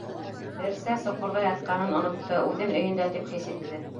Берсә соҡорҙа ятҡанын онотто, үҙен өйөндә тип хис итте.